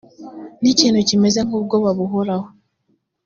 n ikintu kimeze nk ubwoba buhoraho